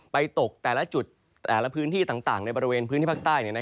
ตกแต่ละจุดแต่ละพื้นที่ต่างในบริเวณพื้นที่ภาคใต้